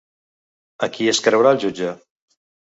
A qui es creurà el jutge?